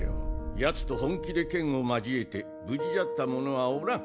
ヤツと本気で剣を交えて無事じゃった者はおらん。